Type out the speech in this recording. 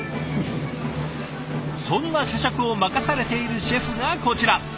そんな社食を任されているシェフがこちら。